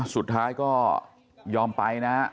สุดท้ายก็ยอมไปนะฮะ